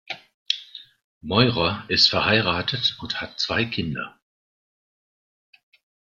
Meurer ist verheiratet und hat zwei Kinder.